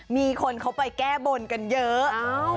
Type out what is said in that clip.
มีคนเขาไปแก้บนกันเยอะ